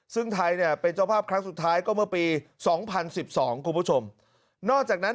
ซึ่งไทยเนี่ยเป็นเจ้าภาพครั้งสุดท้ายก็เมื่อปีสองพันสิบสองคุณผู้ชมนอกจากนั้น